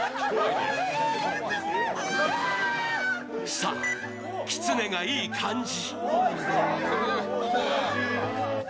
さあ、きつねがいい感じ。